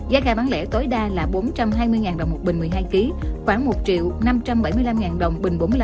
giá ga bán lẻ tối đa là bốn trăm hai mươi đồng một bình một mươi hai kg khoảng một năm trăm bảy mươi năm đồng